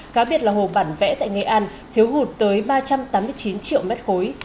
cá biệt là hồ bản vẽ tại nghệ an thiếu hụt tới ba trăm tám mươi chín triệu mét khối